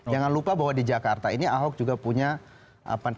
jangan lupa bahwa di jakarta ini ahok juga punya tingkat keputusan publik